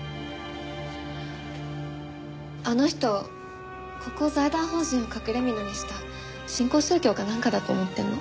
あの人ここを財団法人を隠れみのにした新興宗教かなんかだと思ってるの。